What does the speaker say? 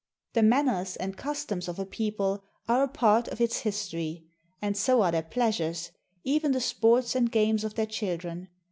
The manners and customs of a people are a part of its history; and so are their pleasures, even the sports and games of their children.